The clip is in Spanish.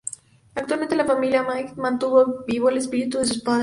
Actualmente la familia Maeght mantiene vivo el espíritu de sus padres.